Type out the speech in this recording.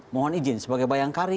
mohon izin sebagai bayangkari